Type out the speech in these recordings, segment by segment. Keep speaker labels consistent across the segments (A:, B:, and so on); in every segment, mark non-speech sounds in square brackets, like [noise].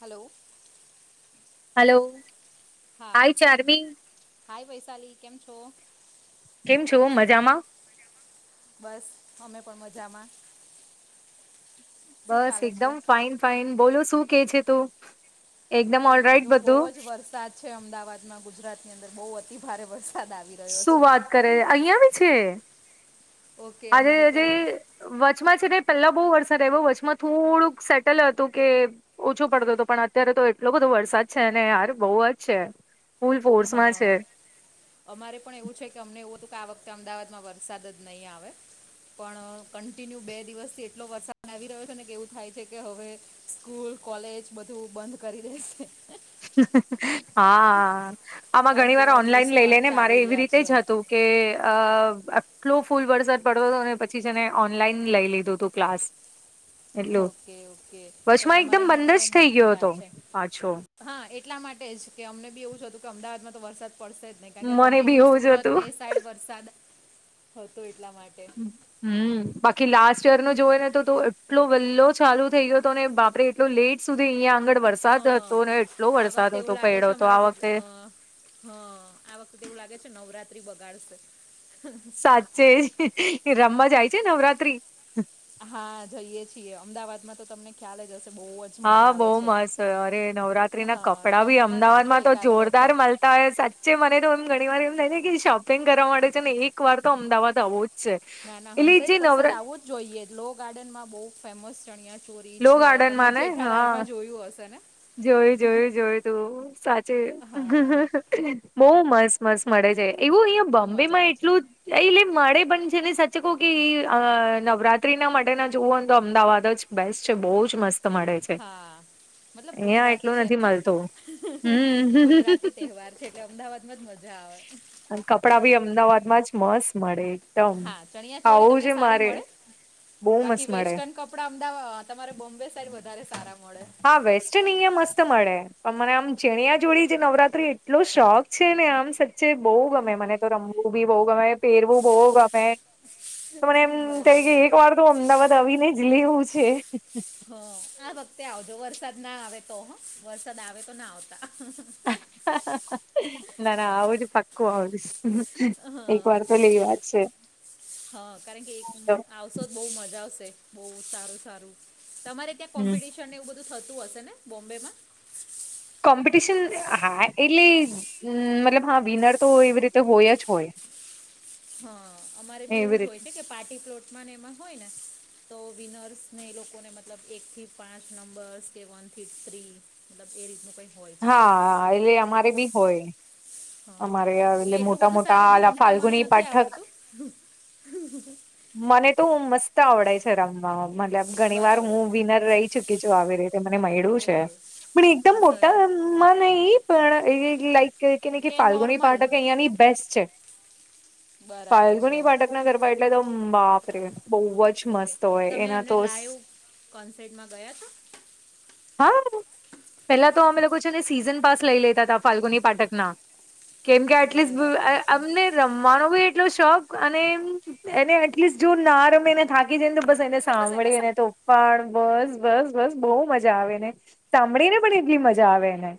A: Hello.
B: Hello
A: હા
B: hi Charmi.
A: Hi Vaishali કેમ છો.
B: કેમ છો મજામાં.
A: બસ અમે પણ મજામાં. શું
B: બસ
A: ચાલે છે
B: એકદમ ફાઇન ફાઈન બોલો શું કે છે તું એકદમ
A: કઈ
B: ઓલ
A: નહીં
B: રાઈટ
A: જો બહુ
B: બધું.
A: જ વરસાદ છે અમદાવાદમાં ગુજરાતની અંદર બહુ અતિભારે વરસાદ આવી રહ્યો
B: શું
A: છે
B: વાત કરે અહિયાં બી છે.
A: ઓકે
B: આજે
A: અમારે તો
B: જે
A: હ
B: વચમાં છે ને પહેલા બહુ વરસાદ એવું વચમાં થોડુંક સેટલ હતું કે ઓછું પડતું હતું પણ અત્યારે તો એટલો બધો વરસાદ છે ને યાર બહુ જ છે. ફૂલ ફોર્સમાં
A: હા.
B: છે
A: અમારે પણ એવું છે કે અમને એવું હતું કે આ વખતે અમદાવાદમાં વરસાદ જ નહીં આવે. પણ કન્ટિન્યુ બે દિવસથી એટલો વરસાદ આવી રહ્યો છે ને કેવું થાય છે કે હવે સ્કૂલ કોલેજ બધું બંધ કરી દેશે.
B: હા આમાં
A: કારણ
B: ઘણી
A: કે
B: વાર
A: એવા ન્યૂઝ
B: ઓનલાઈન લઈ
A: પણ
B: લેને મારે
A: ચાલી
B: એવી
A: રહ્યા
B: રીતે જ
A: છે
B: હતું. કે અ આટલો ફૂલ વરસાદ પડતો હતો ને પછી છે ને ઓનલાઈન લઈ લીધું હતું ક્લાસ. એટલું
A: ઓકે ઓકે કારકે
B: વચમાં
A: અમારે
B: એકદમ
A: અહિયાં તો
B: બંધ જ થઈ ગયો
A: મોસ્ટલી
B: હતો
A: વાત છે.
B: પાછો
A: હા એટલા માટે જ કે અમને બી એવું જ હતું કે અમદાવાદમાં તો વરસાદ પડશે ને કારણ કે
B: મને બી
A: કન્ટિન્યુ
B: એવું જ
A: સુરત
B: હતું
A: ને એ સાઈડ વરસાદ થતો એટલા માટે.
B: હમ્મ બાકી લાસ્ટ યર નો જોવે ને તો એટલો વલ્લો ચાલુ થઈ ગયો હતો ને બાપ રે એટલો લેટ સુધી અહીંયા આગળ વરસાદ
A: હા
B: હતો ને એટલો
A: આ વખતે
B: વરસાદ
A: એવું
B: હતો
A: લાગે છે
B: પડ્યો હતો
A: અમારા
B: આ
A: ગુજ
B: વખતે
A: અ, હા આ વખતે એવું લાગે છે નવરાત્રી બગાડશે.
B: સાચે જ યે રમવા જાય છે નવરાત્રી.
A: હા જઈએ છીએ અમદાવાદમાં તો તમને ખ્યાલ જ હશે બહુવાજ
B: હા બહુ મસ્ત અરે નવરાત્રી ના
A: હા
B: કપડાં ભી
A: તમે પણ
B: અમદાવાદ
A: આવજો
B: માં તો
A: એકાદ
B: જોરદાર
A: વખત
B: મળ સાચે મને તો એમ ઘણી વાર એમ થાય ને કે શોપિંગ કરવા માટે છે ને એક વાર તો અમદાવાદ આવો જ છે
A: ના ના
B: એટલે
A: હંડ્રેડ
B: જે
A: પર્સન્ટ
B: નવરા
A: આવું જ જોઈએ લો ગાર્ડનમાં બહુ ફેમસ ચણીયા ચો ચોળી
B: લો
A: છે
B: ગાર્ડનમાં
A: તમે
B: ને હા
A: જેઠાલાલ માં જોયું હશે ને.
B: જોયું જોયું જોયું લુ સાચે
A: હા
B: બહુ મસ્ત મસ્ત મળે છે એવું અહિયાં
A: બહુ
B: બોમ્બે
A: મજા
B: માં
A: આવે છે
B: એટલું એલે મળે પણ છે ને સાચે કહું કે નવરાત્રી ના માટે ના જોવું હોને તો અમદાવાદ જ બેસ્ટ છે બહુ જ મસ્ત મળે છે.
A: હા મતલબ
B: અહિયાં
A: ગુજરાતી
B: એટલું
A: છે
B: નથી
A: ને.
B: મળતો
A: [unintelligible]
B: હમ
A: ગુજરાતી તહેવાર છે એટલે અમદાવાદમાં જ મજા આવે.
B: અને કપડાં ભી અમદાવાદ માં જ મસ્ત મળે. એકદમ
A: હા ચણિયા ચોરી
B: આવું
A: તમને
B: છે
A: સારી
B: મારે
A: મળે
B: બહુ
A: બાકી
B: મસ્ત મળે
A: વેસ્ટન કપડા અમદાવાદ તમારે બોમ્બે સાઈડ વધારે સારા મળે.
B: હા વેસ્ટર્ન અહીંયા મસ્ત મળે પણ મને આમ ચણીયા ચોળી જે નવરાત્રી એટલો શોખ છે ને આમ છે બો ગમે
A: ઓકે
B: મને તો રમવું બી બહુ ગમે પહેરવું બહુ ગમે મને એમ કઈ
A: બરાબર
B: કે એક વાર તો અમદાવાદ આવીને જ લેવું છે.
A: હ આ વખતે આવજો વરસાદ ના આવે તો વરસાદ આવે તો ના આવતા.
B: [unintelligible] ના ના આવું જ પક્કું આવિશ.
A: હા હા કારણ કે એક આવું સો જ બહુ મજા આવશે બહુ સારું સારું તમારે ત્યાં
B: હમ.
A: કોમ્પિટિશન ટિશન એવું બધું થતું હશે ને બોમ્બેમાં.
B: કોમ્પિટિશન હા એટલે હમ્મ મતલબ હા વિનર તો એવી રીતે હોય જ હોય.
A: હા અમારે બી એવું
B: એવી
A: જ
B: રીતે
A: હોય છે કે પાર્ટી પ્લોટમાં ને એમાં હોય ને- તો વિનર્સને એ લોકોને મતલબ એક થી પાંચ નંબર્સ કે વન થી થ્રી- નક્કી એ રીતનું કઈ -
B: હા એટલે અમારે બી હોય-
A: હા
B: અમારે
A: એટલે એટલું
B: મોટા
A: બધું
B: મોટા
A: સારું બી
B: આલા
A: રમતા મને
B: ફાલ્ગુની
A: નથી
B: પાઠક
A: આવડતું- હ [inaudible]
B: મને તો મસ્ત આવડે છે રમવા મતલબ ઘણી વાર
A: બરાબર
B: હું વિનર રહી ચુકી છું આવી રીત- મને મૈડુ છે
A: ઓહો
B: પણ એકદમ મો-
A: સરસ
B: માં નહી પણ એ લાઈક કે ન કે ફાલ્ગુની પાર્ટ કે અહિયાયાની બેસ્ટ છે.
A: બરાબર છે
B: ફાલ્ગુની પાઠકના ઘરમાં એટલે તો બાપ રે! બહુ જ
A: ઓકે
B: મસ્ત હોય
A: તમે
B: એના
A: એમને
B: તો
A: લાઈવ કોન્સેર્ટમાં ગયા છો.
B: હા- પેલા તો અમે લોકો છે ને સીઝન પાસ લઈ લેતા હતા ફાલ્ગુની પાટકના- કેમ કે આટલીસ્ટ
A: બરાબર
B: [unintelligible]
A: છે
B: અમને- રમવાનો બી એટલો શોખ અને એમ એને એટલીસ્ટ જો ના રમેીને થા- [unintelligible] બસ એને
A: તો એને
B: સાંભળી
A: સા
B: ને તુ - પણ બસ બસ બસ બહુ મજા આવેને સાંભળી ને પણ એટલી મજા આવેને.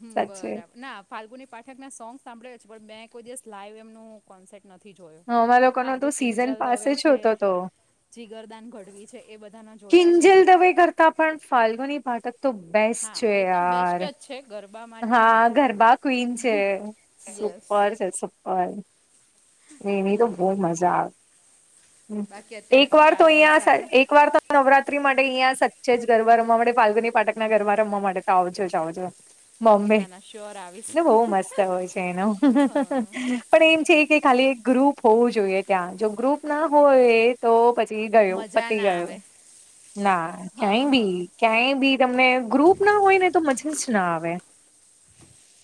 A: હમ બરાબર. ના ફાલ્ગુની પાઠકના સોંગસ સાંભળે છે પણ મે કોઈ દિવસ લાઈવ એમનું કોન્સેટ નથી જોયો.
B: અમારા
A: હા
B: લોકોનો
A: જો
B: તો સીઝન
A: કિંજલ
B: પાસે
A: દવે
B: જ
A: છે.
B: હોતો તો
A: જીગરદાન ગઢવી છે એ બધાના જોયા છે.
B: તો પણ ફાલ્ગુની પાઠક તો બેસ્ટ
A: હા
B: છે
A: એ તો બેસ્ટ
B: યાર.
A: જ છે ગરબા માટે
B: હા ગરબા ક્વીન છે
A: યસ
B: સુપર છે સુપર. એની તો બહુ મજા આવે.
A: બાકી અત્યારે
B: એક
A: શું
B: વાર તો
A: ચાલે
B: અહીયાં
A: વરસાદનું
B: એક વાર તો નવરાત્રી માટે અહિયાં સચ્ચે જ ગરબા રમવા માટે ફાલગુની પાટક ના ગરબા રમવા માટે તો આવજો જ આવજો. બોમ્બે
A: ના ના શ્યોર આવીશ
B: ને બહુ મસ્ત હોય છે એનો.
A: હા
B: પણ એમ છે કે ખાલી એક ગ્રુપ હોવું જોઈએ ત્યાં જો ગ્રુપ ના હોય તો પછી ગયો
A: મજા
B: પતિ
A: ના
B: ગયો.
A: આવે
B: ના ક્યાંય
A: હા
B: બી
A: હા
B: ક્યાંય બી તમને ગ્રુપ ના હોય ને તો મજા જ ના આવે.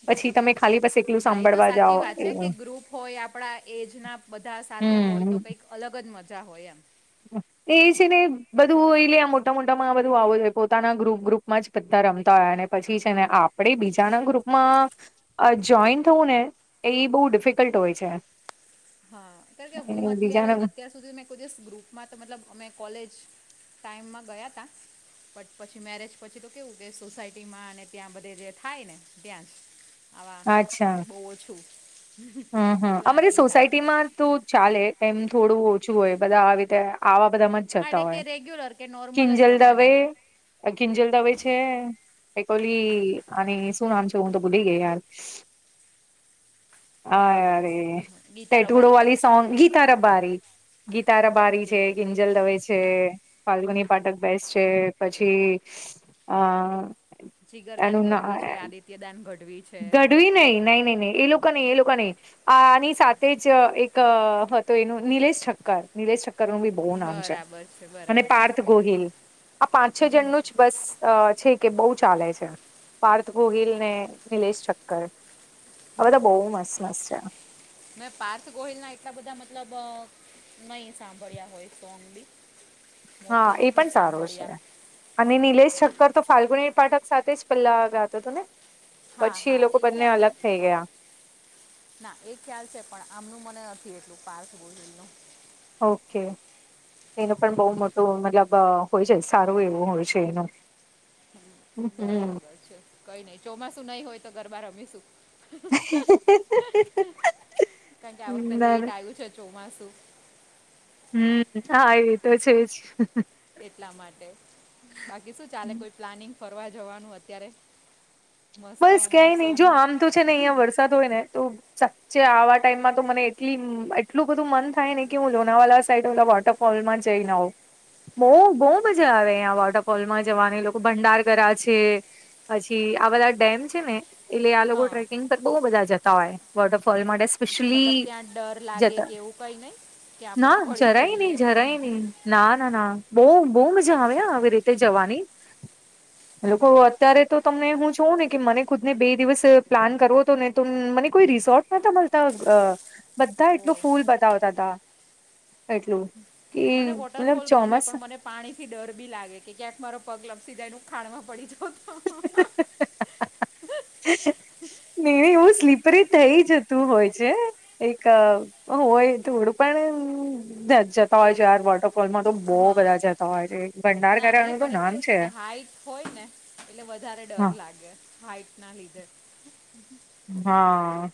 B: પછી તમે ખાલી પાસે એકલું
A: ના એ તો
B: સાંભળવા
A: સાચી
B: જાઓ
A: વાત છે કે
B: એવુ
A: ગ્રુપ હોય, આપણા એજના બધા સાથે હોય
B: હમ
A: તો કંઈક અલગ જ મજા હોય એમ.
B: એ છે ને બધું એ લે આ મોટા મોટામાં બધું આવો જો પોતાના ગ્રુપ ગ્રુપમાં જ બધા રમતા હોય ને પછી છે ને આપણે બીજાના ગ્રુપમાં અ જોઈન થવું ને એ બહુ ડિફિકલ્ટ હોય છે.
A: હા કારણ કે હું
B: એ
A: અત્યારે
B: બીજાના
A: અત્યાર સુધી મેં કોઈ દિવસ ગ્રુપમાં તો મતલબ અમે કોલેજ ટાઈમમાં ગયાતા બટ પછી મેરેજ પછી તો કેવું કે સોસાયટીમાં અને ત્યાં બધે જે થાય ને ત્યાં જ આવા
B: અચ્છા
A: બહુ ઓછું
B: હહ હહ અમરી
A: પ્લાનિંગ થાય
B: સોસાયટી માં તો ચાલે એમ થોડું ઓછું હોય બધા આવી રીતે આવા બધામાં
A: હા
B: જતા
A: એટલે
B: હોય.
A: કે રેગ્યુલર કે નોર્મલ જ
B: કિંજલ
A: રમે એમ
B: દવે કિંજલ દવે છે એક ઓલી આની શું નામ છે હું તો ભૂલી ગઈ યાર અ
A: આ
B: અરે
A: ગીતા
B: ટેટુડો
A: રબારી
B: વાલી સોંગ ગીત તા રબારી ગીતા રબારી
A: ઓકે
B: છે, કિંજ જલ દવે છે ફાલ્ગુની પાટક બેસ છે પછી અ
A: જીગરદાન
B: એનું
A: ગઢવી છે આદિત્ય દાન ગઢવી છે
B: વી ન નહી નહી ન એ લોકો નહી એ લોકો નહિ આની સાથે જ એક હતો એનું નિલેશ ઠક્કર નિલેશ ઠક્કરનુંું બી બહુ નામ છે
A: બરાબર છે
B: અને
A: બરાબર છે
B: પાર્થ ગોહિલ આ પાંચ છ જણનુંું જ બસ છે કે બહુ ચાલે છે પાર્થ ગોહિલ ને નિલેશ ઠક્કર આ બધા બહુ મસ્ત મસ્ત છે
A: મે પાર્થ ગોહિલ ના એટલા બધા મતલબ નહી સાંભળ્યા હોય સોંગ બી
B: હા
A: મોસ્ટલી
B: એ
A: નથી
B: પણ
A: જ
B: સારું છે
A: સાંભળ્યા
B: અને નિલેશ છઠક્કર તો ફાલ્ગુની પાઠક સાથે જ પલ્લા ગયા હતો હતો ને
A: હા
B: પછી એ
A: હા
B: લોકો બંને
A: ખ્યાલ છે
B: અલગ થઈ ગયા
A: ના એ ખ્યાલ છે પણ આમનું મને નથી એટલું પારથ બોનું
B: ઓકે એનું પણ બહુ મોટું મતલબ હોય છે સારું એવું હોય છે એનું હમ
A: બરાબર છે કઈ નઈિ ચોમાસું નહી હોય તો ગરબા રમીશું કારણ કે આ વખતે
B: ના
A: લેટ
B: ના
A: આવ્યું છે ચોમાસું
B: હમ હા એવી તો છે જ
A: એટલા માટે બાકી શું ચાલે કોઈ પ્લાનિંગ ફરવા જવાનું અત્યારે મસ્ત
B: બસ ક્યાંય નહી
A: મોસમ
B: જો આમ તો છે ને અહંયા વરસાદ હોય ને તો સાચ્ચે આવા ટાઈમમાં તો મને એટલી એટલું બધું મન થાય ને કે હું લોનાવાલા સાઈડ ઓલા વોટર ફલમાં જઈ નવ બહ બહુ મજા આવેયા વોટરફોલમાં જવાની લોકો ભંડાર કર્યા છે પછી આ બધા ડેમ છે ને એટલે આ લોકો
A: હા
B: ટ્રેકિંગ પર બહુ બધા જતા હોય વોટરફોલ માટે કછલી
A: મતલબ ત્યાં ડર લાગે
B: જતા
A: કે એવું કંઈ નહીં કે આપણે
B: ના
A: પડી
B: જરાય નહી
A: જઈએ
B: જરાય નહી ના ના ના બહ બહ મજા આવે આવી રીતે જવાની લોકો અત્યારે તો તમને હું જોઉં ને કે મને ખુદ ને બે દિવસ પ્લાન કરવો હતો ને તો મને કોઈ રિસોર્ટ નતા મળતા બધા
A: ઓ
B: એટલું ફૂલ બતાવતા હતા એટલું કે
A: મને
B: મતલબ
A: વોટરફોલ ગમે
B: ચોમાસા
A: પણ મને પાણી થી ડર બી લાગે કે ક્યાંક મારો પગ લપસી જાય ન ખાડમાં પડી જ તો
B: નિ એવું સ્લીપરી થઇ જતું હોય છે એક હોય તેવડું પણણ જતા હોય છે યાર વોટરફોલમાં તો બહુ
A: હા
B: બધા જતા હોય છે ભંડાર
A: ના એટલે
B: ઘ્યાનું તો
A: મને
B: નામ
A: કેવું
B: છે
A: કે હાઈટ હોય ને એટલે વધારે
B: હા
A: ડર લાગે હાઈટના લીધે હ હ
B: હા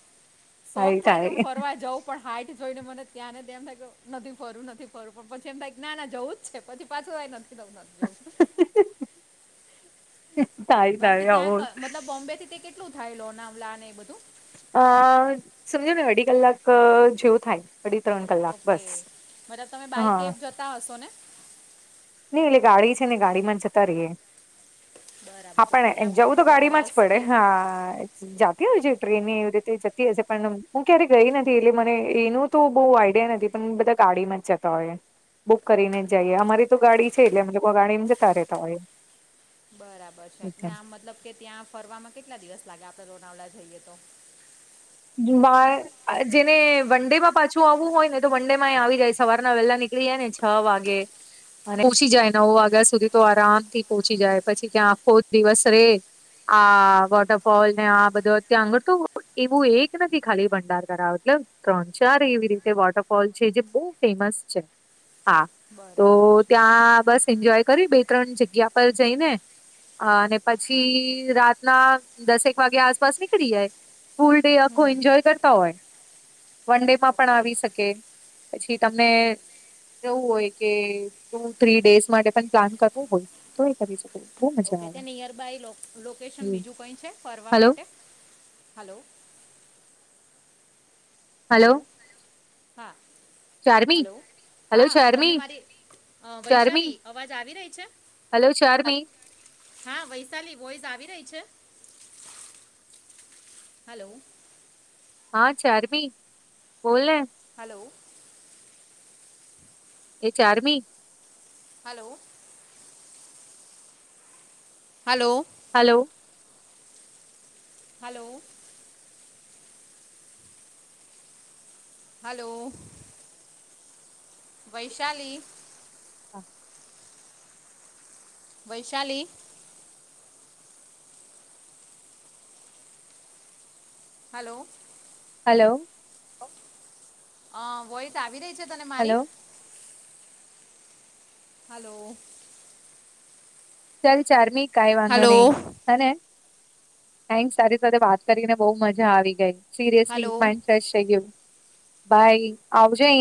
A: શોખ થાય કે હું ફરવા જઉં પણ હાઈઇટ જોઈને મને ત્યાંને એમ થ નથી ફરું નથી ફરું પણ પછી એમ થાયં ના જવું જ છે પછી પાછળઈ નથી દઉ જોઉ
B: થાય
A: બાકી
B: થાય આવું
A: ત્યાં મતલબ બોમ્બે થી તે કેટલું થાય લોનાવલા એ બધું
B: અ સમજો ને અઢી કલાક જેવું થાય અડી ત્રણ ક
A: ઓકે મલબ તમે બાય કેબ જતા હશો ને
B: નઈ એટલે ગાડી છે ને ગાડી માં જતા રએ હા
A: બરાબર છે તો
B: પણ
A: ત્યાં કોઈ
B: જવું તો
A: મતલબ
B: ગાડીમાં જ
A: બસ
B: પડે
A: કે
B: હા જતી હોય છે ટ્રેન એવી રીતે જતી હશે પણ હું ક્યારે ગઈ નથી એટલે મને એનું તો બહુ આઈડિયા નથી પણ બધા કાઢીમાં જતા હોય બુક કરીને જ
A: ઓકે
B: જઈએ અમારી તો ગાડી છે એટલે મતલબ ગાડીમાં જતા રહેતા હોય
A: બરાબર છે ના આમ મતલબ કે ત્યાં ફરવામાં કેટલા દિવસ લાગે આપણે લોનાવલા જઈએ તો
B: જુબ જેને વન ડે માં પાછું આવવું હોય ને તો વન ડે માં આવી જાય સવારના વહેલા નીકળી જાય ને છ વાગે અને પહોચી જાય નવ વાગ્યા સુધી તો આરામ થી પહોંચી જાય પછી ત્યાં આખો દિવસ રે આ વોટરફોલ ને આ બધો અત્યાં આગળ તો એક નથી ખાલી ભંડાર કરા મતલ ત્રણ ચાર એવી રીતે વોટરફોલ છે જે બહુ ફેમસ છે
A: [inaudible]
B: હા તો
A: બરાબર છે
B: ત્યાં બસ એન્જોય કર્યું બે ત્રણ જગ્યા પર જઈને હ અને પછી રાતના દસેક વાગ્યા આસપાસ નીકળી જાય ફૂલ ડે આખું
A: હમ
B: એન્જોય કરતા હોય વન ડે માં પણ
A: ઓકે
B: આવી શકે પછી તમને એવું હોય કે તું થ્રી ડેસ માટે પણ પ્લાન કરવો હોય તો એ કરી શકો બહુ મજા
A: ઓકે
B: આવે
A: ત્યાં નિયરબાય લો લોકેશન
B: એવું
A: બીજું કંઈ છે ફરવા
B: હલો
A: માટે હલો હલો હા
B: ચાર્મી
A: હલો
B: હલો
A: હા તમને
B: ચાર્મી
A: મારી અ
B: ચાર્મી
A: વૈશાલી અવાજ આવી રહી છે
B: હલો ચાર્મી
A: હા વૈશાલી વોઈઝ આવી રહી છે હલો
B: હા ચાર્વીી બોલ
A: હલો
B: એ ચારમી
A: hello hello
B: hello
A: hello hello Vaishali Vaishali hello
B: hello
A: હ વય તો આવી રહી છે તને
B: હલો
A: મારી હલો
B: ચાલ ચર્મી કાય વાંધો
A: હલો
B: નહી હ થન્ તારી સાથે વાત કરીને બહ મજા આવી ગઈ સિરિયસલી
A: હલો
B: ફ થઈ ગયું ભાય આવજે અહં